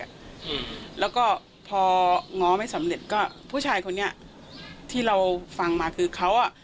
อืมแล้วก็พอง้อไม่สำเร็จก็ผู้ชายคนนี้ที่เราฟังมาคือเขาอ่ะ